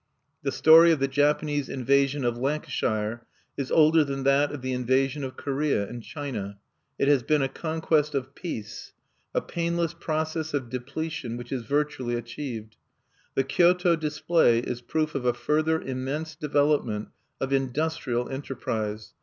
The story of the Japanese invasion of Lancashire is older than that of the invasion of Korea and China. It has been a conquest of peace, a painless process of depletion which is virtually achieved.... The Kyoto display is proof of a further immense development of industrial enterprise....